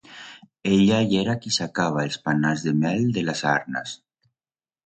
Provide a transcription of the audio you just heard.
Ella yera qui sacaba els panals de mel de las arnas.